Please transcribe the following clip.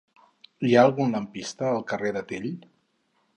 Hi ha algun lampista al carrer de Tell?